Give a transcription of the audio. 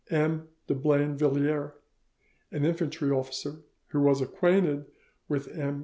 "M. de Blainvilliers, an infantry officer who was acquainted with M.